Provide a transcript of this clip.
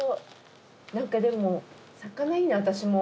何かでも魚いいな私も。